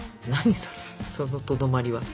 そのとどまりは。